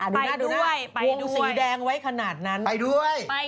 ไปด้วยไปด้วยอ่าดูหน้าดูหน้าวงสีแดงไว้ขนาดนั้นไปด้วย